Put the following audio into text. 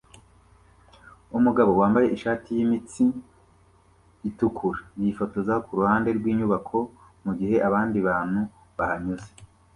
Umugabo wambaye ishati yimitsi itukura yifotoza kuruhande rwinyubako mugihe abandi bantu bahanyuze